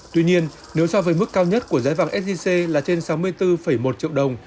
tuy nhiên nếu so với mức cao nhất của giá vàng sgc là trên sáu mươi bốn một triệu đồng